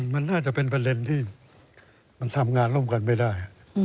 มันน่าจะเป็นประเด็นที่มันทำงานร่วมกันไม่ได้